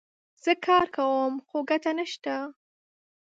زه کار کوم ، خو ګټه نه سته